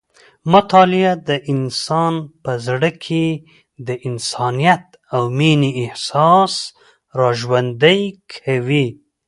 مطالعه د انسان په زړه کې د انسانیت او مینې احساس راژوندی کوي.